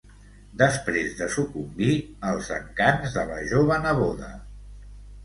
Després de sucumbir als encants de la jove neboda...